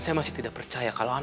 jangan jatuh percaya kering